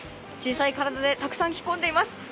小さい体でたくさん着込んでいます。